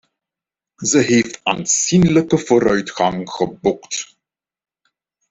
Ze heeft aanzienlijke vooruitgang geboekt.